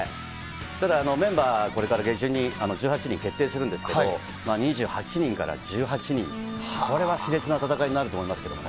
ただ、メンバー、これから下旬に１８人決定するんですけど、２８人から１８人、これはしれつな戦いになると思いますけどね。